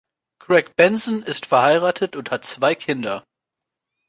Craig Benson ist verheiratet und hat zwei Kinder.